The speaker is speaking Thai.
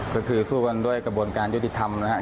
ก็คือสู้กันด้วยกระบวนการยุติธรรมนะครับ